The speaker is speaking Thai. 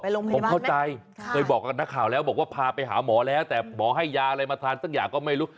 ผมเข้าใจเคยบอกกับนักข่าวแล้วบอกว่าพาไปหาหมอแล้วแต่หมอให้ยาอะไรมาทานสักอย่างก็ไม่รู้